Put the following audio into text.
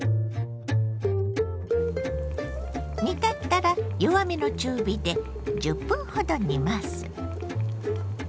煮立ったら弱めの中火で１０分ほど煮ます。